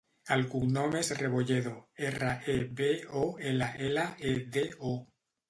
El cognom és Rebolledo: erra, e, be, o, ela, ela, e, de, o.